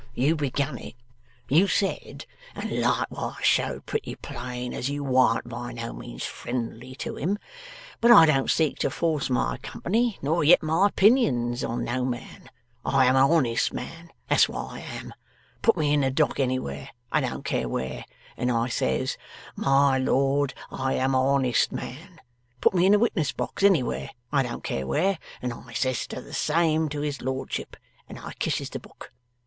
You begun it. You said, and likeways showed pretty plain, as you warn't by no means friendly to him. But I don't seek to force my company nor yet my opinions on no man. I am a honest man, that's what I am. Put me in the dock anywhere I don't care where and I says, "My Lord, I am a honest man." Put me in the witness box anywhere I don't care where and I says the same to his lordship, and I kisses the book.